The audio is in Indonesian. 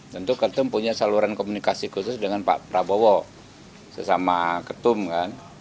tentu ketum punya saluran komunikasi khusus dengan pak prabowo sesama ketum kan